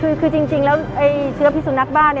คือจริงแล้วเชื้อพิสุนักบ้าน